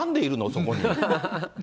そこに。